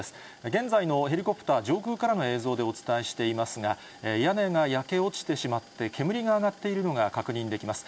現在のヘリコプター上空からの映像でお伝えしていますが、屋根が焼け落ちてしまって、煙が上がっているのが確認できます。